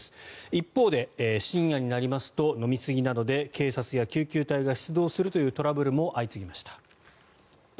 一方で、深夜になりますと飲み過ぎなどで警察や救急隊が出動するというトラブルも相次ぎました。